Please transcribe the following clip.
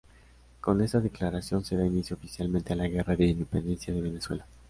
Con esta declaración se da inicio oficialmente a la Guerra de Independencia de Venezuela.